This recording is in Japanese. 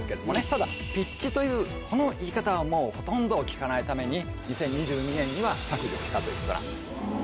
ただ「ピッチ」というこの言い方はもうほとんど聞かないために２０２２年には削除したということなんです。